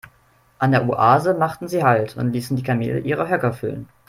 An der Oase machten sie Halt und ließen die Kamele ihre Höcker füllen.